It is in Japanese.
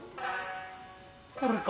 これか。